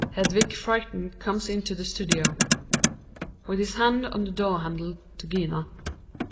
Hedvig frightened comes into the studio. Hjalmar (with his hand on the door handle to Gina).